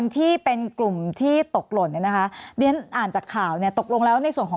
ต้องอนุมัตินิดกี่กลุ่มครับท่าน